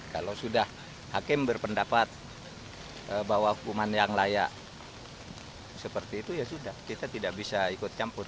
kalau sudah hakim berpendapat bahwa hukuman yang layak seperti itu ya sudah kita tidak bisa ikut campur